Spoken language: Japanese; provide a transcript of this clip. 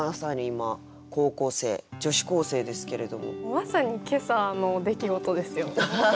まさに今朝の出来事ですよ。